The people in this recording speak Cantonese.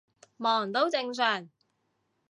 忙都正常